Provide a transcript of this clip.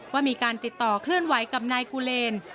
ว่ามีการติดต่อเคลื่อนไหวกับนายกูเลน